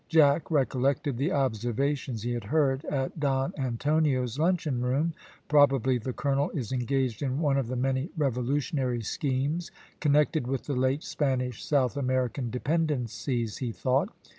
Jack recollected the observations he had heard at Don Antonio's luncheon room. Probably the colonel is engaged in one of the many revolutionary schemes connected with the late Spanish South American dependencies, he thought.